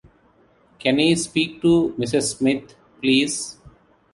Can he speak to Ms. Smith please?